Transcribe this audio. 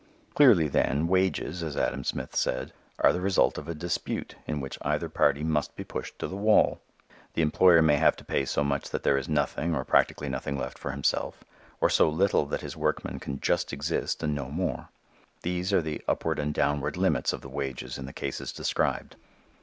Clearly, then, wages, as Adam Smith said, "are the result of a dispute" in which either party must be pushed to the wall. The employer may have to pay so much that there is nothing or practically nothing left for himself, or so little that his workmen can just exist and no more. These are the upward and downward limits of the wages in the cases described.